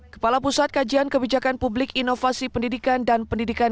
kepala pusat kajian kebijakan publik inovasi pendidikan dan pendidikan